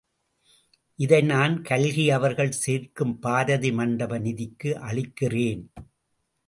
இதை நான் கல்கி அவர்கள் சேர்க்கும் பாரதி மண்டப நிதிக்கு அளிக்கிறேன்.